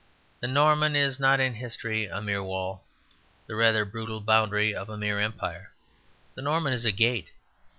The Norman is not in history a mere wall, the rather brutal boundary of a mere empire. The Norman is a gate.